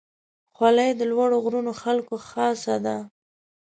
خولۍ د لوړو غرونو خلکو خاصه ده.